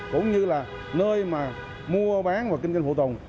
cũng như là nơi mà mua bán và kinh doanh phụ tùng